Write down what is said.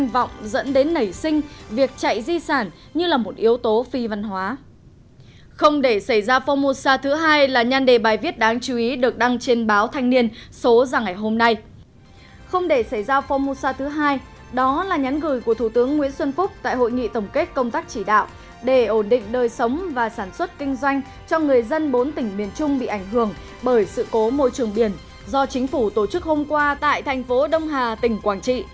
bởi sự cố môi trường biển do chính phủ tổ chức hôm qua tại thành phố đông hà tỉnh quảng trị